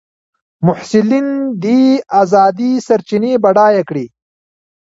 محصلین دي ازادې سرچینې بډایه کړي.